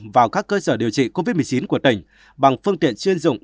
vào các cơ sở điều trị covid một mươi chín của tỉnh bằng phương tiện chuyên dụng